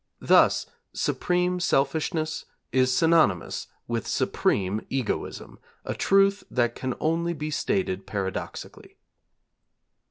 Thus supreme selfishness is synonymous with supreme egoism, a truth that can only be stated paradoxically.